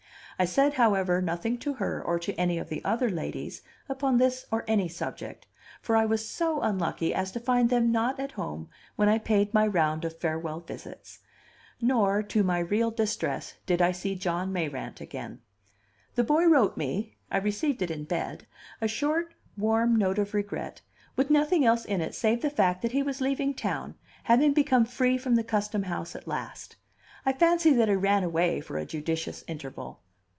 I said, however, nothing to her, or to any of the other ladies, upon this or any subject, for I was so unlucky as to find them not at home when I paid my round of farewell visits. Nor (to my real distress) did I see John Mayrant again. The boy wrote me (I received it in bed) a short, warm note of regret, with nothing else in it save the fact that he was leaving town, having become free from the Custom House at last. I fancy that he ran away for a judicious interval.